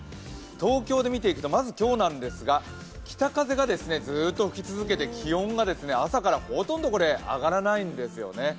東京で見ていくとまず今日なんですが北風がずーっと吹き続けて気温が朝から上がらないんですね。